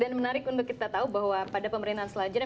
dan menarik untuk kita tahu bahwa pada pemerintahan selanjutnya